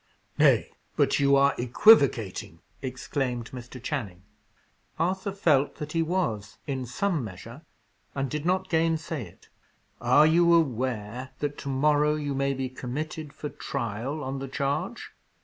"Nay, but you are equivocating!" exclaimed Mr. Channing. Arthur felt that he was, in some measure, and did not gainsay it. "Are you aware that to morrow you may be committed for trial on the charge?"